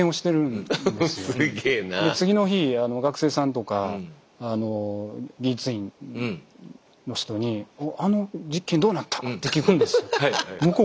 で次の日学生さんとか技術員の人に「あの実験どうなった？」って聞くんですよ。